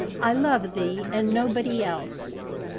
"I love thee and nobody else."